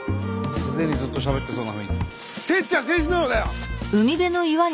すでにずっとしゃべってそうな雰囲気。